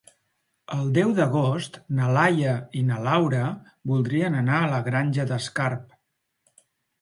El deu d'agost na Laia i na Laura voldrien anar a la Granja d'Escarp.